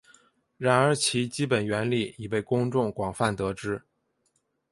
然而其基本原理已被公众广泛得知。